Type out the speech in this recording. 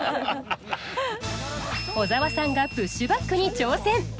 小沢さんがプッシュバックに挑戦。